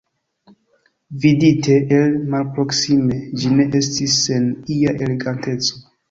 Vidite el malproksime, ĝi ne estis sen ia eleganteco.